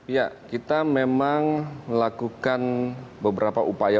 ya kita memang melakukan beberapa upaya